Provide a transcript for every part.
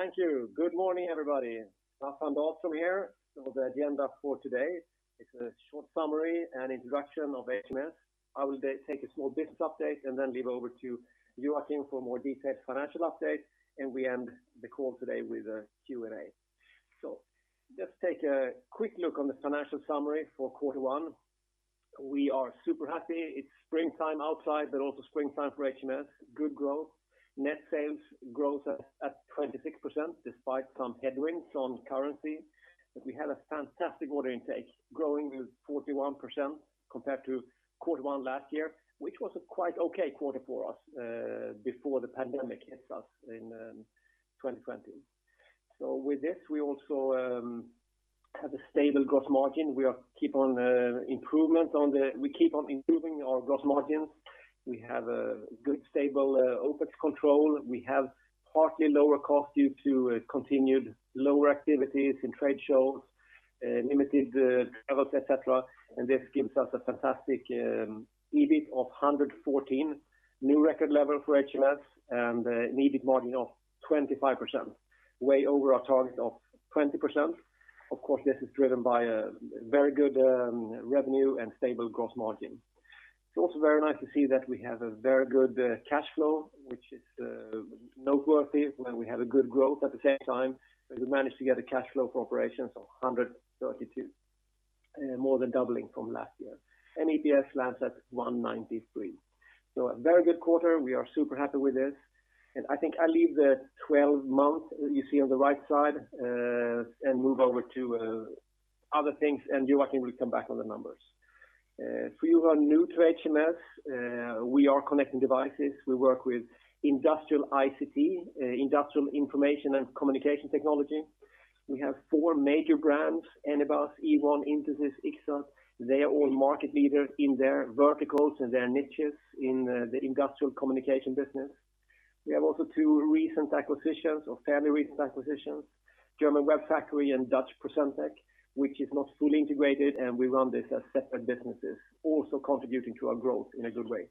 Thank you. Good morning, everybody. Staffan Dahlström here. The agenda for today is a short summary and introduction of HMS. I will take a small business update and then leave over to Joakim for a more detailed financial update, and we end the call today with a Q&A. Let's take a quick look on the financial summary for Q1. We are super happy. It's springtime outside, but also springtime for HMS. Good growth. Net sales growth at 26%, despite some headwinds on currency. We had a fantastic order intake, growing with 41% compared to Q1 last year, which was a quite okay quarter for us, before the pandemic hit us in 2020. With this, we also have a stable gross margin. We keep on improving our gross margins. We have a good, stable OpEx control. We have partly lower costs due to continued lower activities in trade shows, limited travels, et cetera. This gives us a fantastic EBIT of 114 million, new record level for HMS, and an EBIT margin of 25%, way over our target of 20%. Of course, this is driven by a very good revenue and stable gross margin. It's also very nice to see that we have a very good cash flow, which is noteworthy when we have a good growth at the same time. We managed to get a cash flow for operations of 132 million, more than doubling from last year. EPS lands at 193. A very good quarter. We are super happy with this. I think I leave the 12 months you see on the right side, and move over to other things, and Joakim will come back on the numbers. If you are new to HMS, we are connecting devices. We work with industrial ICT, industrial information and communication technology. We have four major brands, Anybus, Ewon, Intesis, Ixxat. They are all market leaders in their verticals and their niches in the industrial communication business. We have also two recent acquisitions, or fairly recent acquisitions, German WEBfactory and Dutch Procentec, which is not fully integrated, and we run this as separate businesses, also contributing to our growth in a good way.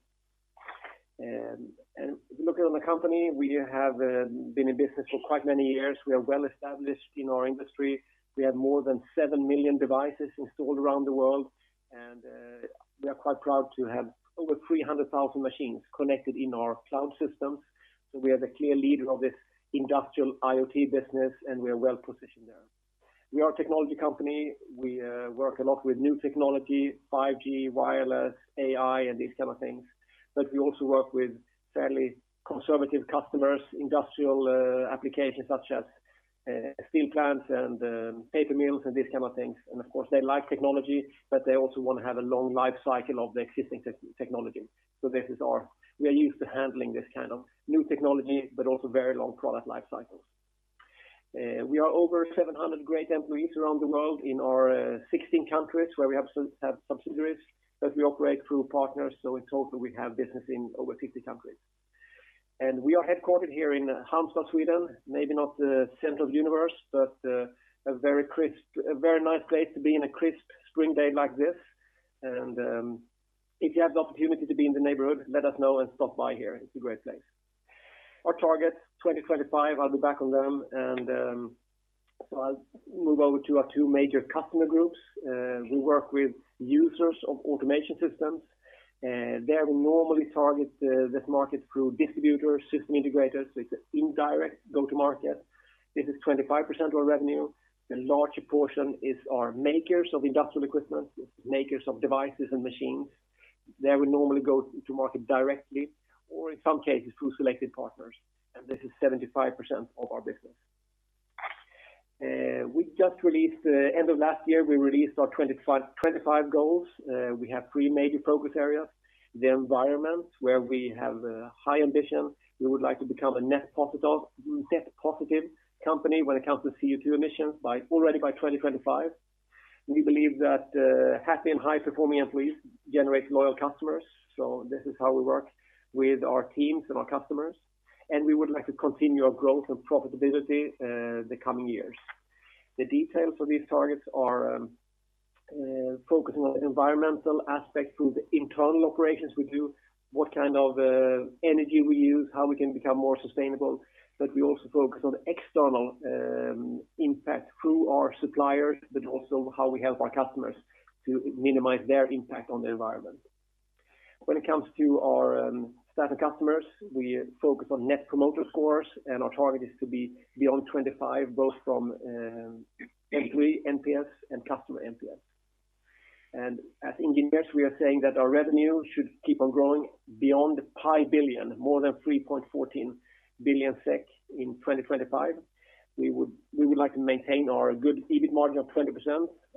Looking at the company, we have been in business for quite many years. We are well established in our industry. We have more than 7 million devices installed around the world, and we are quite proud to have over 300,000 machines connected in our cloud systems. We are the clear leader of this industrial IoT business, and we are well-positioned there. We are a technology company. We work a lot with new technology, 5G, wireless, AI, and these kind of things. We also work with fairly conservative customers, industrial applications such as steel plants and paper mills and these kind of things. Of course, they like technology, but they also want to have a long life cycle of the existing technology. We are used to handling this kind of new technology, but also very long product life cycles. We are over 700 great employees around the world in our 16 countries where we have subsidiaries, but we operate through partners, so in total, we have business in over 50 countries. We are headquartered here in Halmstad, Sweden, maybe not the center of the universe, but a very nice place to be on a crisp spring day like this. If you have the opportunity to be in the neighborhood, let us know and stop by here. It's a great place. Our targets, 2025, I'll be back on them. I'll move over to our two major customer groups. We work with users of automation systems, and there we normally target this market through distributors, system integrators, so it's an indirect go-to-market. This is 25% of our revenue. The larger portion is our makers of industrial equipment, makers of devices and machines. There we normally go to market directly or in some cases through selected partners, and this is 75% of our business. End of last year, we released our 25 goals. We have three major focus areas. The environment, where we have a high ambition. We would like to become a net positive company when it comes to CO2 emissions already by 2025. We believe that happy and high-performing employees generate loyal customers. This is how we work with our teams and our customers. We would like to continue our growth and profitability the coming years. The details for these targets are focusing on the environmental aspect through the internal operations we do, what kind of energy we use, how we can become more sustainable. We also focus on the external impact through our suppliers, but also how we help our customers to minimize their impact on the environment. When it comes to our staff and customers, we focus on Net Promoter Scores, and our target is to be beyond 25, both from employee NPS and customer NPS. As investors, we are saying that our revenue should keep on growing beyond 5 billion, more than 3.14 billion SEK in 2025. We would like to maintain our good EBIT margin of 20%.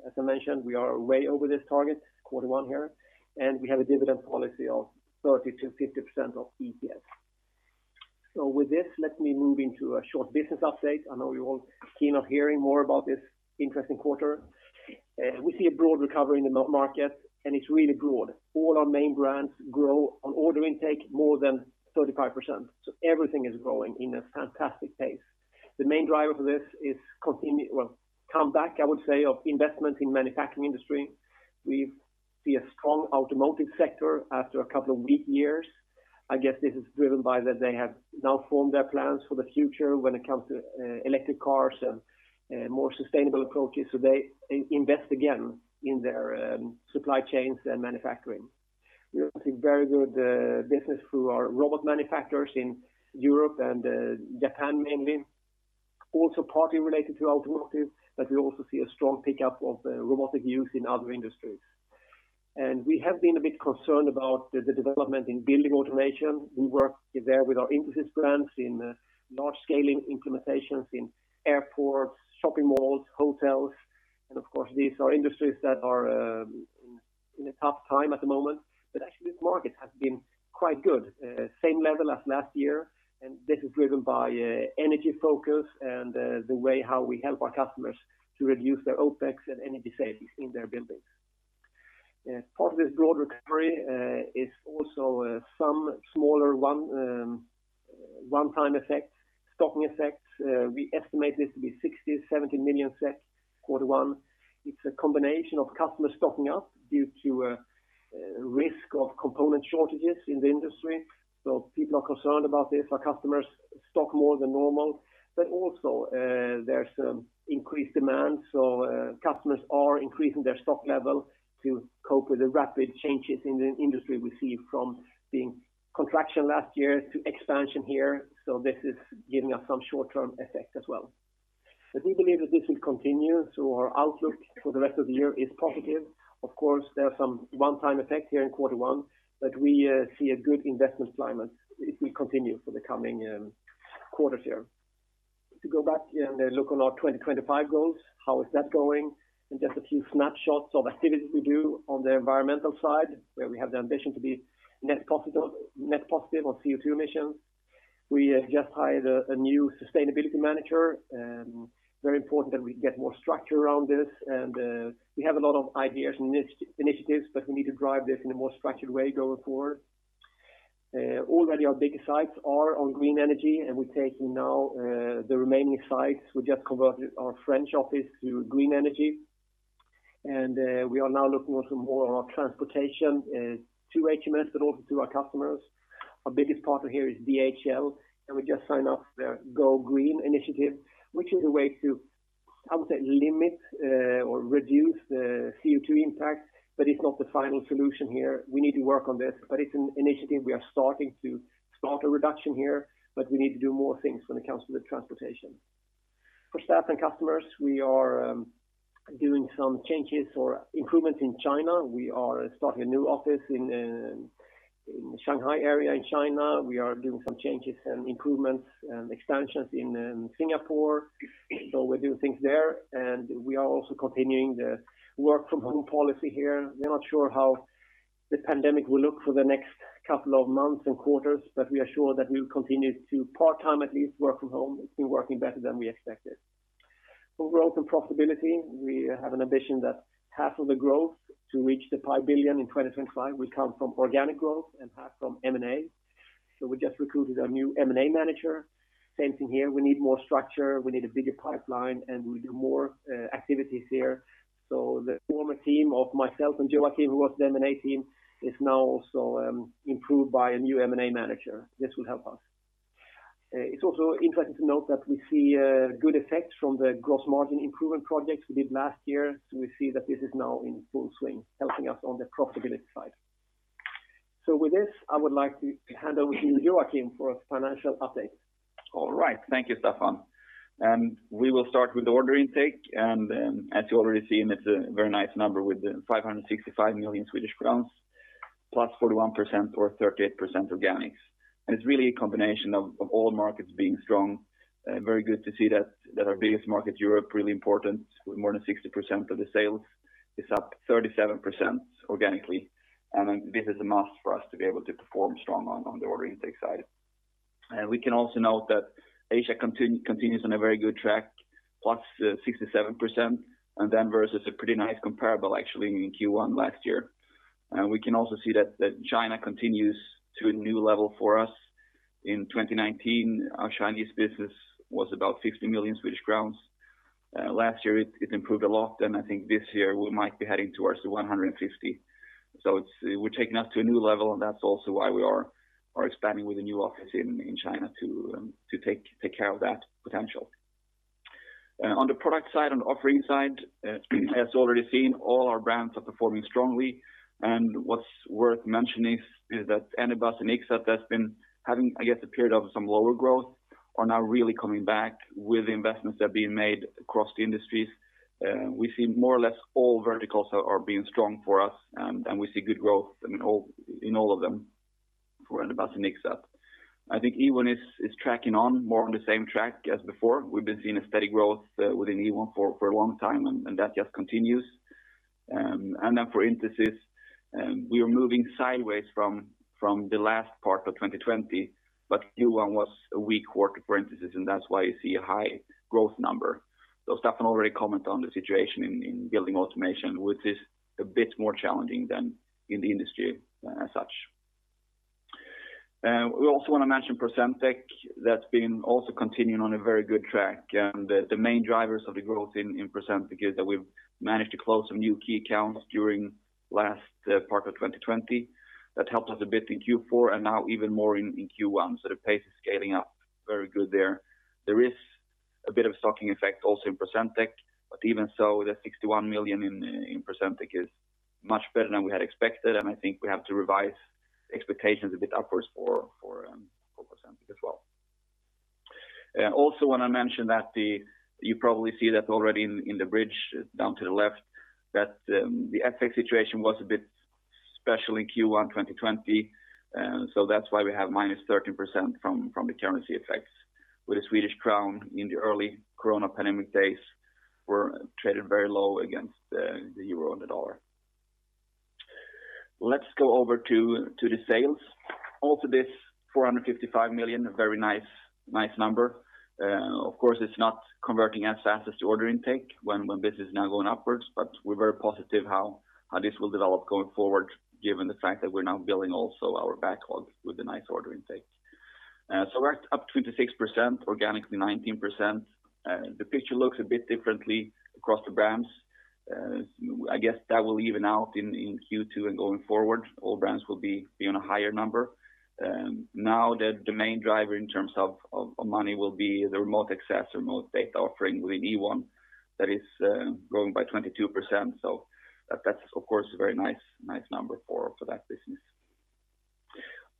As I mentioned, we are way over this target Q1 here, and we have a dividend policy of 30%-50% of EPS. With this, let me move into a short business update. I know you're all keen on hearing more about this interesting quarter. We see a broad recovery in the market, and it's really broad. All our main brands grow on order intake more than 35%, so everything is growing in a fantastic pace. The main driver for this is comeback, I would say, of investment in manufacturing industry. We see a strong automotive sector after a couple of weak years. I guess this is driven by that they have now formed their plans for the future when it comes to electric cars and more sustainable approaches. They invest again in their supply chains and manufacturing. We are seeing very good business through our robot manufacturers in Europe and Japan mainly, also partly related to automotive, but we also see a strong pickup of robotic use in other industries. We have been a bit concerned about the development in building automation. We work there with our Intesis brands in large-scale implementations in airports, shopping malls, hotels, and of course, these are industries that are in a tough time at the moment. Actually, this market has been quite good. Same level as last year, and this is driven by energy focus and the way how we help our customers to reduce their OpEx and energy savings in their buildings. Part of this broad recovery is also some smaller one-time effects, stocking effects. We estimate this to be 60 million-70 million Q1. It's a combination of customers stocking up due to risk of component shortages in the industry. People are concerned about this. Our customers stock more than normal, but also there's increased demand. Customers are increasing their stock level to cope with the rapid changes in the industry we see from being contraction last year to expansion here. This is giving us some short-term effects as well. We believe that this will continue. Our outlook for the rest of the year is positive. Of course, there are some one-time effects here in Q1. We see a good investment climate. It will continue for the coming quarters here. To go back and look on our 2025 goals, how is that going, and just a few snapshots of activities we do on the environmental side, where we have the ambition to be net positive on CO2 emissions. We have just hired a new sustainability manager. Very important that we get more structure around this. We have a lot of ideas and initiatives, but we need to drive this in a more structured way going forward. Already our big sites are on green energy, and we're taking now the remaining sites. We just converted our French office to green energy, and we are now looking at some more of our transportation to HMS but also to our customers. Our biggest partner here is DHL. We just signed up their Go Green initiative, which is a way to, I would say, limit or reduce the CO2 impact. It's not the final solution here. We need to work on this. It's an initiative. We are starting a reduction here. We need to do more things when it comes to the transportation. For staff and customers, we are doing some changes for improvements in China. We are starting a new office in the Shanghai area in China. We are doing some changes and improvements and expansions in Singapore. We're doing things there. We are also continuing the work from home policy here. We're not sure how the pandemic will look for the next couple of months and quarters. We are sure that we will continue to part-time at least work from home. It's been working better than we expected. For growth and profitability, we have an ambition that half of the growth to reach the 5 billion in 2025 will come from organic growth and half from M&A. We just recruited a new M&A manager. Same thing here. We need more structure, we need a bigger pipeline, and we do more activities here. The former team of myself and Joakim, who was the M&A team, is now also improved by a new M&A manager. This will help us. It's also interesting to note that we see good effects from the gross margin improvement projects we did last year. We see that this is now in full swing, helping us on the profitability side. With this, I would like to hand over to Joakim for a financial update. All right. Thank you, Staffan. We will start with order intake. As you already seen, it's a very nice number with 565 million Swedish crowns, +41% or 38% organics. It's really a combination of all markets being strong. Very good to see that our biggest market, Europe, really important, with more than 60% of the sales, is up 37% organically. This is a must for us to be able to perform strong on the order intake side. We can also note that Asia continues on a very good track, +67%, then versus a pretty nice comparable actually in Q1 last year. We can also see that China continues to a new level for us. In 2019, our Chinese business was about 60 million Swedish crowns. Last year, it improved a lot. I think this year we might be heading towards 150 million. We're taking that to a new level, and that's also why we are expanding with a new office in China to take care of that potential. On the product side, on the offering side, as already seen, all our brands are performing strongly, and what's worth mentioning is that Anybus and Ixxat that's been having, I guess, a period of some lower growth, are now really coming back with the investments that are being made across the industries. We see more or less all verticals are being strong for us, and we see good growth in all of them for Anybus and Ixxat. I think Ewon is tracking on more on the same track as before. We've been seeing a steady growth within Ewon for a long time, and that just continues. Then for Intesis, we are moving sideways from the last part of 2020. Q1 was a weak quarter for Intesis, and that's why you see a high growth number. Staffan already commented on the situation in building automation, which is a bit more challenging than in the industry as such. We also want to mention Procentec that's been also continuing on a very good track. The main drivers of the growth in Procentec is that we've managed to close some new key accounts during last part of 2020. That helped us a bit in Q4 and now even more in Q1. The pace is scaling up very good there. There is a bit of stocking effect also in Procentec. Even so, the 61 million in Procentec is much better than we had expected. I think we have to revise expectations a bit upwards for Procentec as well. I also want to mention that you probably see that already in the bridge down to the left, that the FX situation was a bit special in Q1 2020. That's why we have minus 13% from the currency effects. With the Swedish crown in the early corona pandemic days, were traded very low against the euro and the dollar. Let's go over to the sales. This 455 million, a very nice number. It's not converting as fast as the order intake when business is now going upwards. We're very positive how this will develop going forward, given the fact that we're now building also our backlog with a nice order intake. We're up 26%, organically 19%. The picture looks a bit differently across the brands. I guess that will even out in Q2 and going forward, all brands will be on a higher number. The main driver in terms of money will be the remote access, remote data offering within Ewon that is growing by 22%. That's of course a very nice number for that business.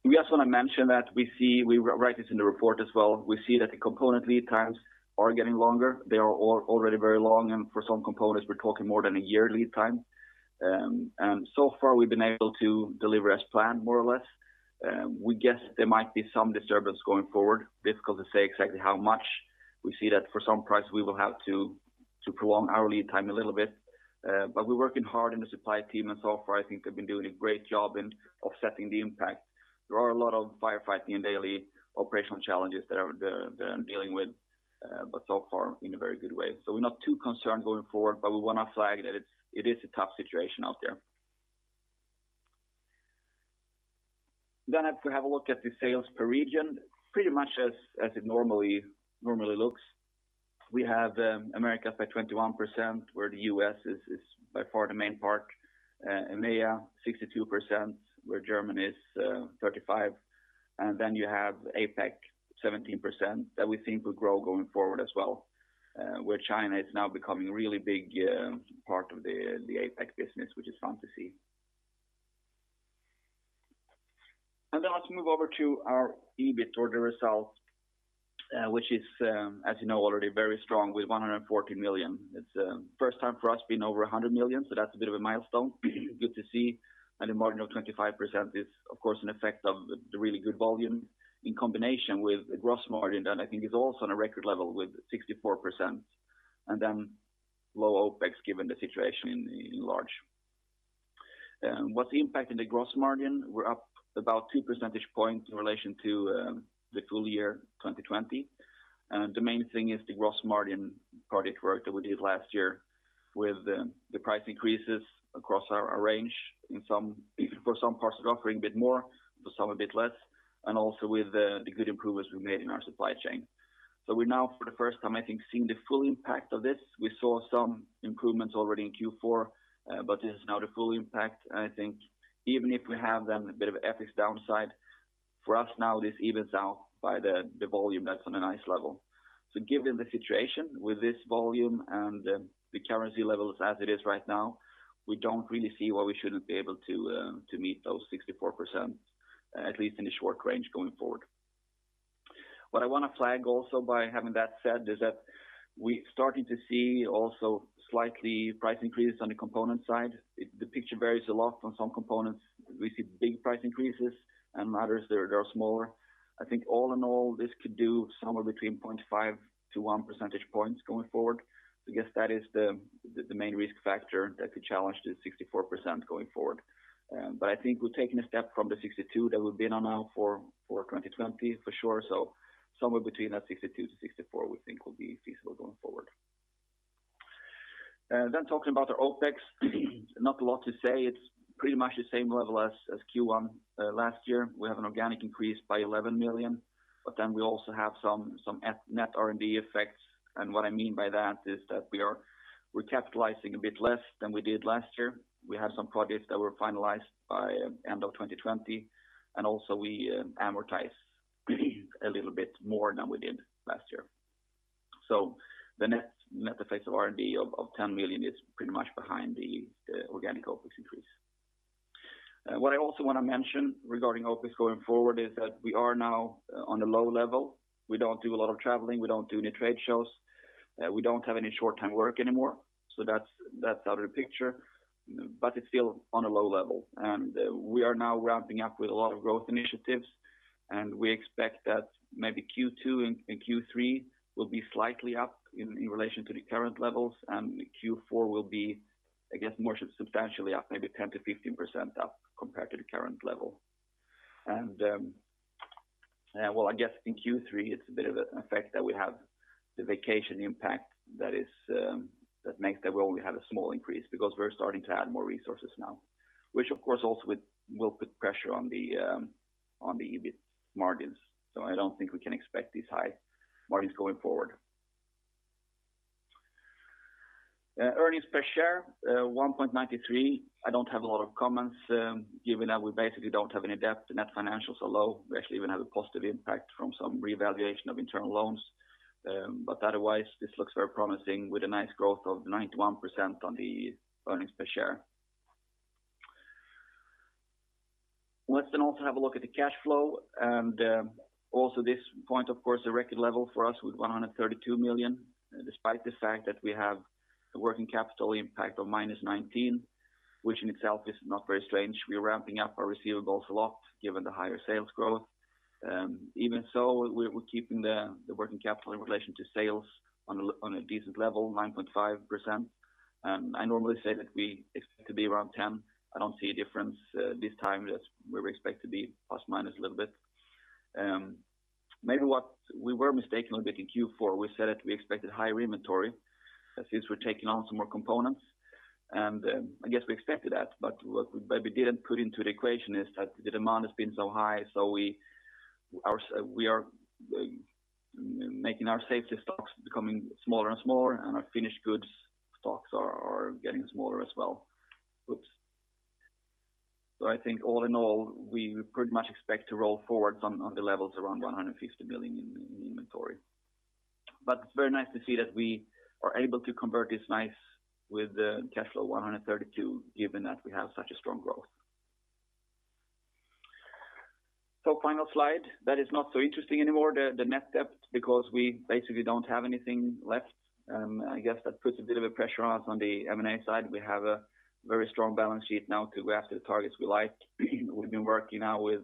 We also want to mention that we see, we write this in the report as well, we see that the component lead times are getting longer. They are already very long, and for some components, we're talking more than a year lead time. So far we've been able to deliver as planned, more or less. We guess there might be some disturbance going forward. Difficult to say exactly how much. We see that for some price, we will have to prolong our lead time a little bit. We're working hard in the supply team, and so far I think they've been doing a great job in offsetting the impact. There are a lot of firefighting and daily operational challenges that they're dealing with, so far in a very good way. We're not too concerned going forward, but we want to flag that it is a tough situation out there. Have to have a look at the sales per region, pretty much as it normally looks. We have America by 21%, where the U.S. is by far the main part. EMEA 62%, where Germany is 35%. You have APAC, 17%, that we think will grow going forward as well. Where China is now becoming a really big part of the APAC business, which is fun to see. Let's move over to our EBIT or the results, which is, as you know already, very strong with 114 million. It's the first time for us being over 100 million, so that's a bit of a milestone. Good to see. A margin of 25% is of course an effect of the really good volume in combination with the gross margin that I think is also on a record level with 64%. Low OpEx, given the situation in large. What's impacting the gross margin? We're up about two percentage points in relation to the full year 2020. The main thing is the gross margin project work that we did last year with the price increases across our range. For some parts of the offering a bit more, for some a bit less, and also with the good improvements we made in our supply chain. We now, for the first time, I think, seeing the full impact of this. We saw some improvements already in Q4. This is now the full impact. I think even if we have then a bit of FX downside, for us now, this evens out by the volume that's on a nice level. Given the situation with this volume and the currency levels as it is right now, we don't really see why we shouldn't be able to meet those 64%, at least in the short range going forward. What I want to flag also by having that said, is that we're starting to see also slightly price increase on the component side. The picture varies a lot. On some components, we see big price increases, and others they are smaller. I think all in all, this could do somewhere between 0.5-1 percentage points going forward. I guess that is the main risk factor that could challenge the 64% going forward. I think we're taking a step from the 62 that we've been on now for 2020, for sure. Somewhere between that 62%-64%, we think will be feasible going forward. Talking about our OpEx, not a lot to say. It's pretty much the same level as Q1 last year. We have an organic increase by 11 million, we also have some net R&D effects. What I mean by that is that we're capitalizing a bit less than we did last year. We have some projects that were finalized by end of 2020, we amortize a little bit more than we did last year. The net effect of R&D of 10 million is pretty much behind the organic OpEx increase. What I also want to mention regarding OpEx going forward is that we are now on a low level. We don't do a lot of traveling. We don't do any trade shows. We don't have any short-time work anymore. That's out of the picture. It's still on a low level. We are now ramping up with a lot of growth initiatives, and we expect that maybe Q2 and Q3 will be slightly up in relation to the current levels. Q4 will be, I guess, more substantially up, maybe 10%-15% up compared to the current level. Well, I guess in Q3 it's a bit of an effect that we have the vacation impact that makes that we only have a small increase because we're starting to add more resources now, which of course also will put pressure on the EBIT margins. I don't think we can expect these high margins going forward. Earnings per share, 1.93. I don't have a lot of comments given that we basically don't have any debt. The net financials are low. We actually even have a positive impact from some revaluation of internal loans. Otherwise, this looks very promising with a nice growth of 91% on the earnings per share. Let's also have a look at the cash flow. Also this point, of course, a record level for us with 132 million, despite the fact that we have a working capital impact of -19 million, which in itself is not very strange. We are ramping up our receivables a lot given the higher sales growth. Even so, we're keeping the working capital in relation to sales on a decent level, 9.5%. I normally say that we expect to be around 10%. I don't see a difference this time as we expect to be plus/minus a little bit. Maybe what we were mistaken a bit in Q4, we said that we expected higher inventory since we're taking on some more components. I guess we expected that, what we didn't put into the equation is that the demand has been so high, we are making our safety stocks becoming smaller and smaller, and our finished goods stocks are getting smaller as well. I think all in all, we pretty much expect to roll forward on the levels around 150 million in inventory. It's very nice to see that we are able to convert this nice with the cash flow 132, given that we have such a strong growth. Final slide that is not so interesting anymore, the net debt, because we basically don't have anything left. I guess that puts a bit of a pressure on us on the M&A side. We have a very strong balance sheet now to go after the targets we like. We've been working now with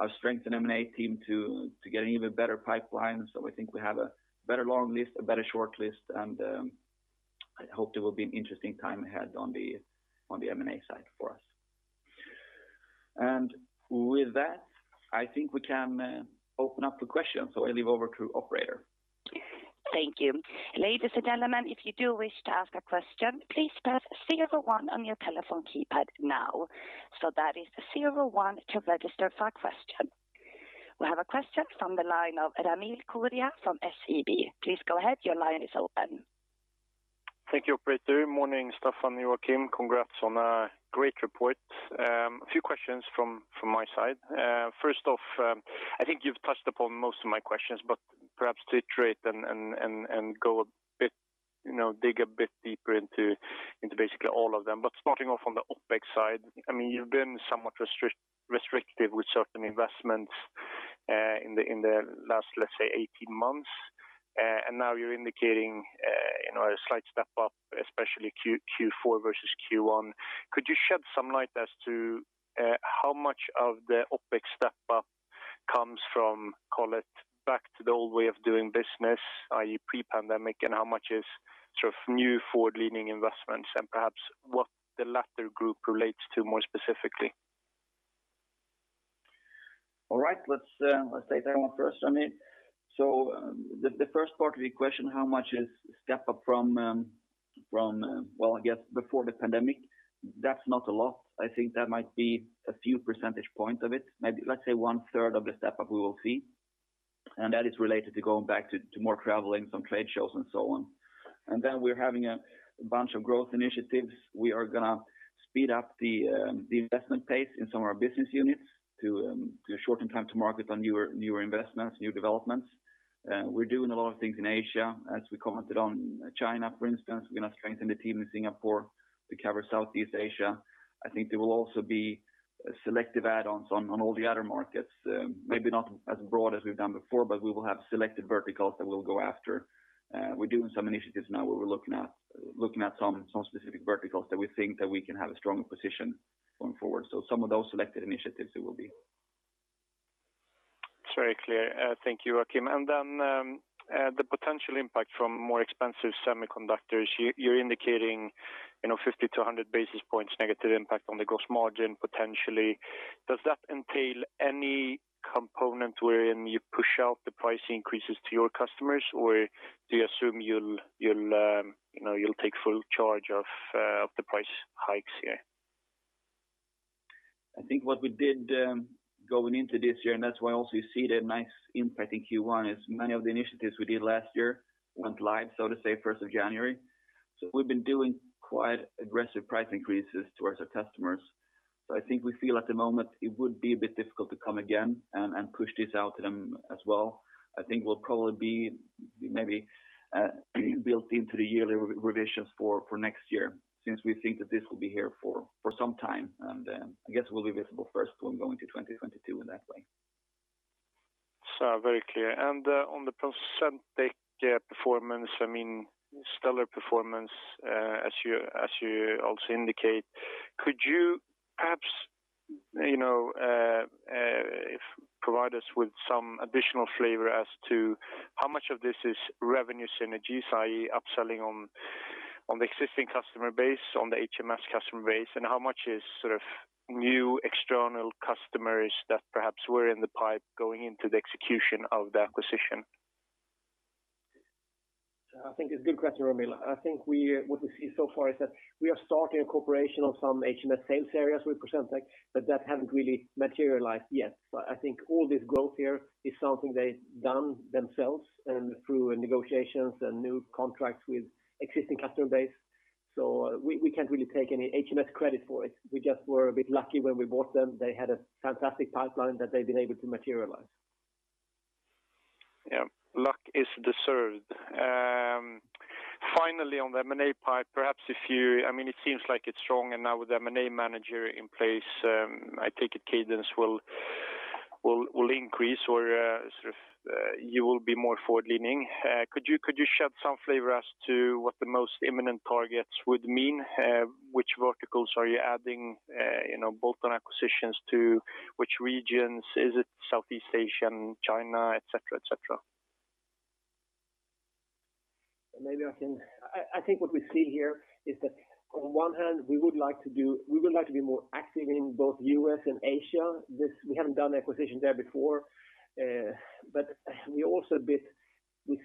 our strengthened M&A team to get an even better pipeline. I think we have a better long list, a better short list, and I hope there will be an interesting time ahead on the M&A side for us. With that, I think we can open up to questions. I leave over to operator. Thank you. Ladies and gentlemen, if you do wish to ask a question, please press zero one your telephone keypad now. That is zero one to register for a question. We have a question from the line of Ramil Koria from SEB. Please go ahead. Your line is open. Thank you, operator. Morning, Staffan and Joakim. Congrats on a great report. A few questions from my side. First off, I think you've touched upon most of my questions, perhaps to iterate and dig a bit deeper into basically all of them. Starting off on the OpEx side, you've been somewhat restrictive with certain investments in the last, let's say, 18 months. Now you're indicating a slight step up, especially Q4 versus Q1. Could you shed some light as to how much of the OpEx step up comes from, call it back to the old way of doing business, i.e., pre-pandemic, and how much is sort of new forward-leaning investments, and perhaps what the latter group relates to more specifically? All right. Let's take that one first, Ramil. The first part of your question, how much is step up from, well, I guess before the pandemic, that's not a lot. I think that might be a few percentage points of it. Maybe let's say one third of the step up we will see. That is related to going back to more traveling, some trade shows and so on. Then we're having a bunch of growth initiatives. We are going to speed up the investment pace in some of our business units to shorten time to market on newer investments, new developments. We're doing a lot of things in Asia. As we commented on China, for instance, we're going to strengthen the team in Singapore to cover Southeast Asia. I think there will also be selective add-ons on all the other markets. Maybe not as broad as we've done before, we will have selected verticals that we'll go after. We're doing some initiatives now where we're looking at some specific verticals that we think that we can have a stronger position going forward. Some of those selected initiatives it will be. It's very clear. Thank you, Joakim. The potential impact from more expensive semiconductors. You're indicating 50 - 100 basis points negative impact on the gross margin potentially. Does that entail any component wherein you push out the price increases to your customers, or do you assume you'll take full charge of the price hikes here? I think what we did going into this year, and that's why also you see the nice impact in Q1, is many of the initiatives we did last year went live, so to say, 1st of January. We've been doing quite aggressive price increases towards our customers. I think we feel at the moment it would be a bit difficult to come again and push this out to them as well. I think we'll probably be maybe built into the yearly revisions for next year since we think that this will be here for some time, and I guess we'll be visible first when going to 2022 in that way. Very clear. On the Procentec performance, stellar performance as you also indicate. Could you perhaps provide us with some additional flavor as to how much of this is revenue synergies, i.e. upselling on the existing customer base, on the HMS customer base, and how much is new external customers that perhaps were in the pipe going into the execution of the acquisition? I think it's a good question, Ramil. I think what we see so far is that we are starting a cooperation on some HMS sales areas with Procentec, but that hasn't really materialized yet. I think all this growth here is something they've done themselves and through negotiations and new contracts with existing customer base. We can't really take any HMS credit for it. We just were a bit lucky when we bought them. They had a fantastic pipeline that they've been able to materialize. Yeah. Luck is deserved. Finally, on the M&A pipe, it seems like it's strong and now with the M&A manager in place, I take it cadence will increase or you will be more forward-leaning. Could you shed some flavor as to what the most imminent targets would mean? Which verticals are you adding bolt-on acquisitions to? Which regions? Is it Southeast Asia, China, et cetera? I think what we see here is that on one hand, we would like to be more active in both U.S. and Asia. We haven't done acquisition there before. We also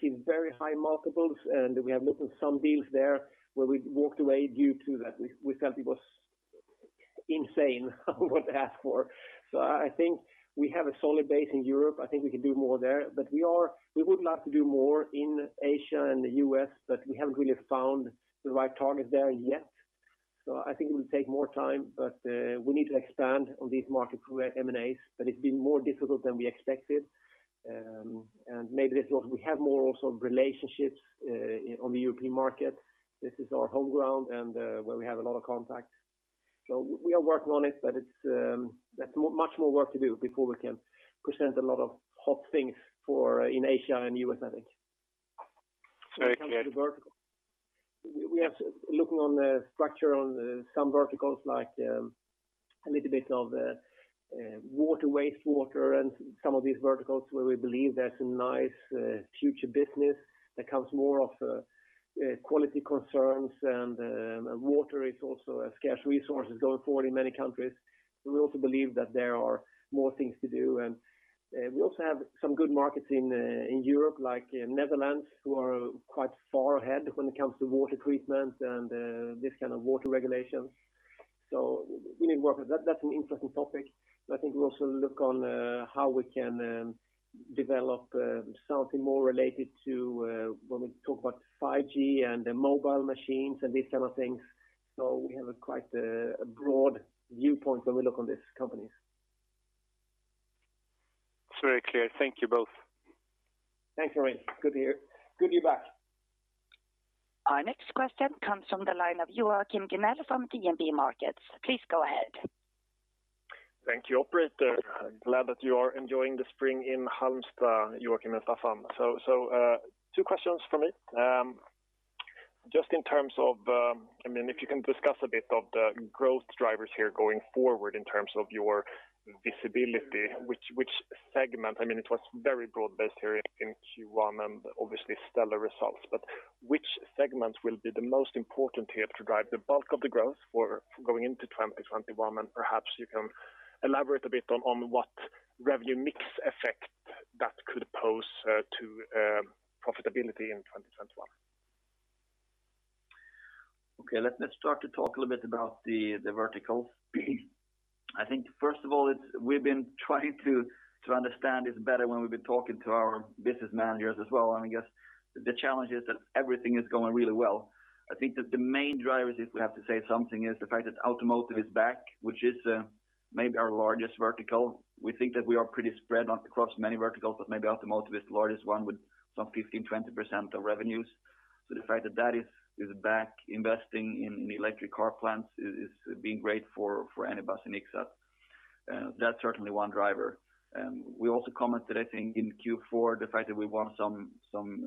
see very high multiples, and we have looked at some deals there where we walked away due to that. We felt it was insane what they asked for. I think we have a solid base in Europe. I think we can do more there. We would love to do more in Asia and the U.S., but we haven't really found the right target there yet. I think it will take more time, but we need to expand on these markets through M&As, but it's been more difficult than we expected. Maybe this is also we have more also relationships on the European market. This is our home ground and where we have a lot of contacts. We are working on it, but there's much more work to do before we can present a lot of hot things in Asia and U.S., I think. It's very clear. When it comes to vertical, we are looking on the structure on some verticals, like a little bit of water, wastewater and some of these verticals where we believe there's a nice future business that comes more of quality concerns, and water is also a scarce resource going forward in many countries. We also believe that there are more things to do, and we also have some good markets in Europe, like Netherlands, who are quite far ahead when it comes to water treatment and this kind of water regulation. We need to work with that. That's an interesting topic. I think we also look on how we can develop something more related to when we talk about 5G and the mobile machines and these kind of things. We have quite a broad viewpoint when we look on these companies. It's very clear. Thank you both. Thanks, Ramil. Good to hear. Good you're back. Our next question comes from the line of Joachim Gunell from DNB Markets. Please go ahead. Thank you, operator. I'm glad that you are enjoying the spring in Halmstad, Joakim and Staffan. Two questions from me. If you can discuss a bit of the growth drivers here going forward in terms of your visibility, which segment, it was very broad-based here in Q1 and obviously stellar results, but which segment will be the most important here to drive the bulk of the growth for going into 2021? Perhaps you can elaborate a bit on what revenue mix effect that could pose to profitability in 2021. Okay. Let's start to talk a little bit about the verticals. I think first of all, we've been trying to understand this better when we've been talking to our business managers as well. I guess the challenge is that everything is going really well. I think that the main drivers, if we have to say something, is the fact that automotive is back, which is maybe our largest vertical. We think that we are pretty spread across many verticals. Maybe automotive is the largest one with some 15%-20% of revenues. The fact that that is back investing in electric car plants is being great for Anybus and Ixxat. That's certainly one driver. We also commented, I think, in Q4, the fact that we won some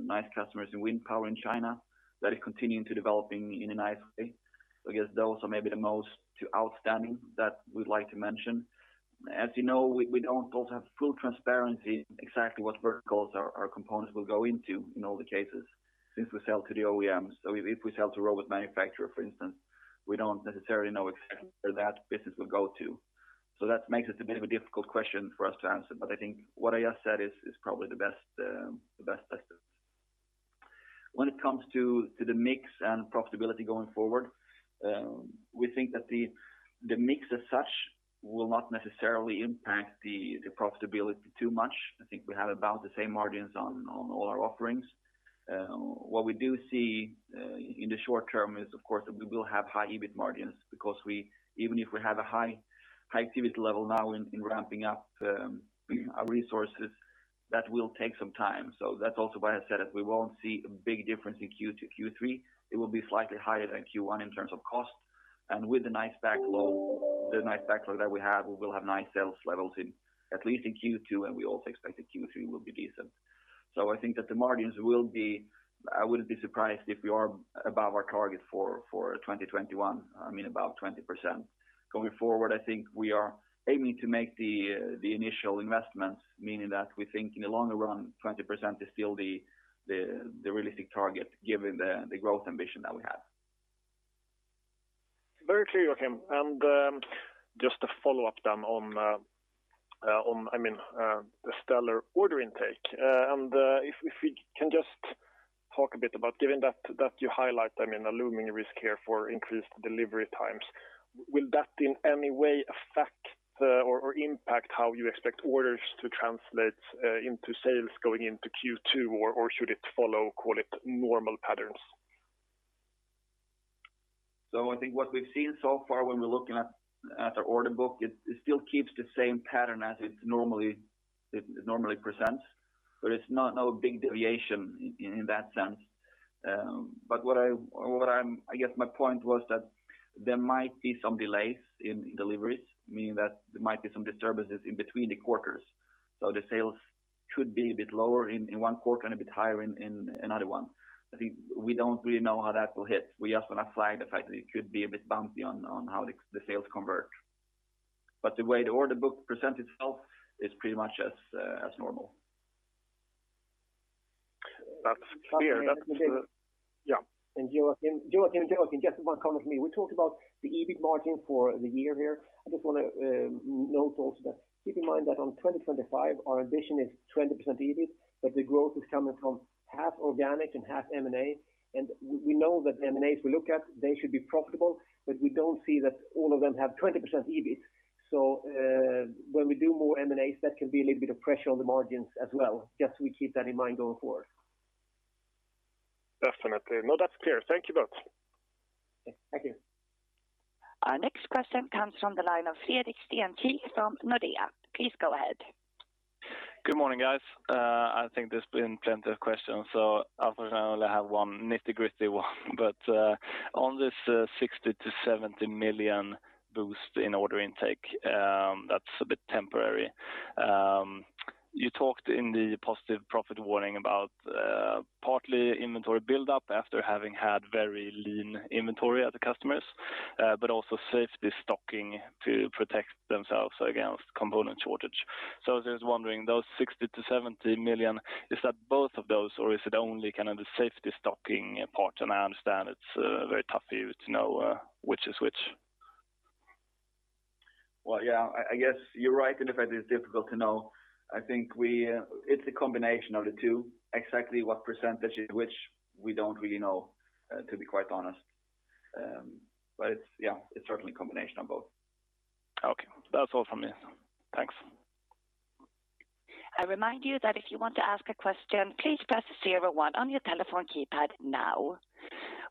nice customers in wind power in China. That is continuing to developing in a nice way. I guess those are maybe the most two outstanding that we'd like to mention. As you know, we don't also have full transparency exactly what verticals our components will go into in all the cases, since we sell to the OEMs. If we sell to robot manufacturer, for instance, we don't necessarily know exactly where that business will go to. That makes it a bit of a difficult question for us to answer. I think what I just said is probably the best estimate. When it comes to the mix and profitability going forward, we think that the mix as such will not necessarily impact the profitability too much. I think we have about the same margins on all our offerings. What we do see in the short term is, of course, that we will have high EBIT margins, because even if we have a high activity level now in ramping up our resources, that will take some time. That's also why I said that we won't see a big difference in Q2, Q3. It will be slightly higher than Q1 in terms of cost. With the nice backlog that we have, we will have nice sales levels at least in Q2, and we also expect that Q3 will be decent. I think that the margins will be, I wouldn't be surprised if we are above our target for 2021, about 20%. Going forward, I think we are aiming to make the initial investments, meaning that we think in the longer run, 20% is still the realistic target given the growth ambition that we have. Very clear, Joakim. Just to follow up then on the stellar order intake. If we can just talk a bit about, given that you highlight a looming risk here for increased delivery times, will that in any way affect or impact how you expect orders to translate into sales going into Q2? Should it follow, call it, normal patterns? I think what we've seen so far when we're looking at the order book, it still keeps the same pattern as it normally presents, but it's no big deviation in that sense. I guess my point was that there might be some delays in deliveries, meaning that there might be some disturbances in between the quarters. The sales could be a bit lower in Q1 and a bit higher in another one. I think we don't really know how that will hit. We just want to flag the fact that it could be a bit bumpy on how the sales convert. The way the order book presents itself is pretty much as normal. That's clear. Joakim, just one comment from me. We talked about the EBIT margin for the year here. I just want to note also that keep in mind that on 2025, our ambition is 20% EBIT, the growth is coming from half organic and half M&A. We know that the M&As we look at, they should be profitable, we don't see that all of them have 20% EBIT. When we do more M&As, that can be a little bit of pressure on the margins as well. Just we keep that in mind going forward. Definitely. No, that's clear. Thank you both. Thank you. Our next question comes from the line of Fredrik Lidén from Nordea. Please go ahead. Good morning, guys. I think there's been plenty of questions, so I personally only have one nitty-gritty one. On this 60 million - 70 million boost in order intake, that's a bit temporary. You talked in the positive profit warning about partly inventory buildup after having had very lean inventory at the customers, but also safety stocking to protect themselves against component shortage. I was just wondering, those 60 million - 70 million, is that both of those, or is it only the safety stocking part? I understand it's very tough for you to know which is which. Well, yeah, I guess you're right in the fact that it's difficult to know. I think it's a combination of the two. Exactly what percentage is which, we don't really know, to be quite honest. It's certainly a combination of both. Okay. That's all from me. Thanks. I remind you that if you want to ask a question, please press zero one on your telephone keypad now.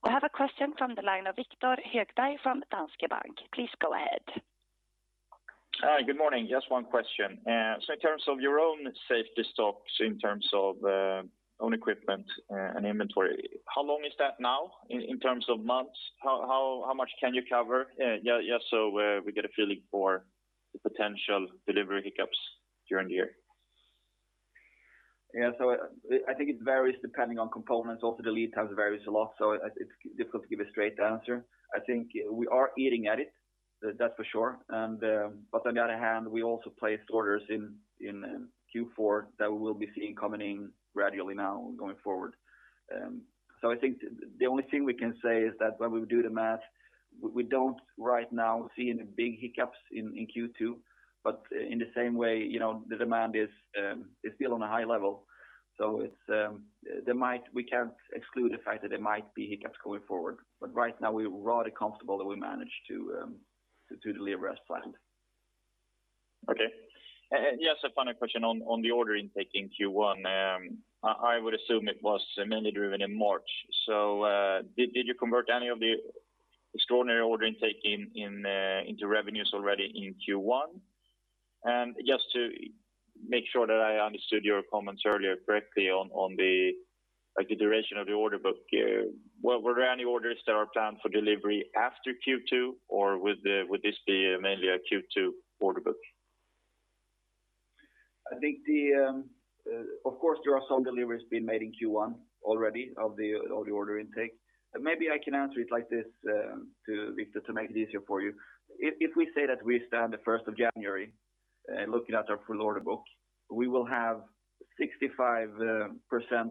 I have a question from the line of Victor Högbergfrom Danske Bank. Please go ahead. Hi, good morning. Just one question. In terms of your own safety stocks, in terms of own equipment and inventory, how long is that now in terms of months? How much can you cover? Just so we get a feeling for the potential delivery hiccups during the year. Yeah, I think it varies depending on components. The lead times vary a lot, it's difficult to give a straight answer. I think we are eating at it, that's for sure. On the other hand, we also placed orders in Q4 that we will be seeing coming in gradually now going forward. I think the only thing we can say is that when we do the math, we don't right now see any big hiccups in Q2. In the same way, the demand is still on a high level. We can't exclude the fact that there might be hiccups going forward. Right now we're rather comfortable that we manage to deliver as planned. Okay. Just a final question on the order intake in Q1. I would assume it was mainly driven in March. Did you convert any of the extraordinary order intake into revenues already in Q1? Just to make sure that I understood your comments earlier correctly on the duration of the order book, were there any orders that are planned for delivery after Q2, or would this be mainly a Q2 order book? Of course, there are some deliveries being made in Q1 already of the order intake. Maybe I can answer it like this to make it easier for you. If we say that we stand the January 1st looking at our full order book, we will have 65%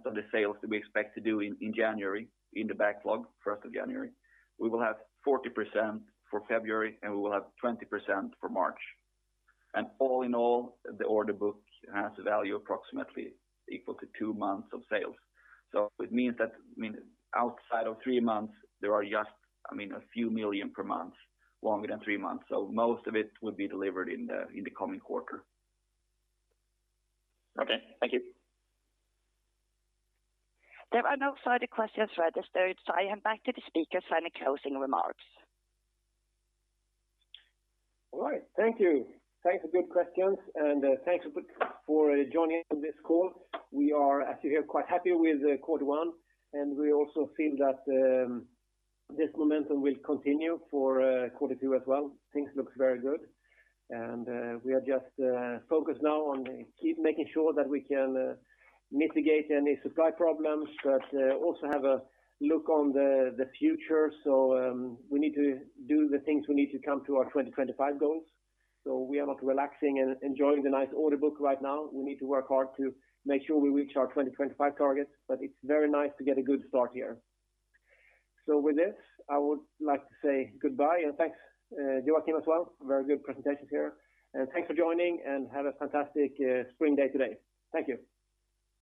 of the sales that we expect to do in January in the backlog, 1st of January. We will have 40% for February, and we will have 20% for March. All in all, the order book has a value approximately equal to two months of sales. It means that outside of three months, there are just a few million per month longer than three months. Most of it will be delivered in the coming quarter. Okay. Thank you. There are no further questions registered, so I hand back to the speakers for any closing remarks. All right. Thank you. Thanks for good questions, and thanks for joining on this call. We are, as you hear, quite happy with quarter one, and we also feel that this momentum will continue for Q2 as well. Things look very good, and we are just focused now on keep making sure that we can mitigate any supply problems, but also have a look on the future. We need to do the things we need to come to our 2025 goals. We are not relaxing and enjoying the nice order book right now. We need to work hard to make sure we reach our 2025 targets, but it is very nice to get a good start here. With this, I would like to say goodbye and thanks. Joakim as well, very good presentations here. Thanks for joining, and have a fantastic spring day today. Thank you.